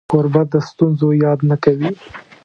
کوربه د ستونزو یاد نه کوي.